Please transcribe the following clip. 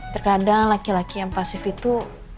terkadang laki laki yang pasif itu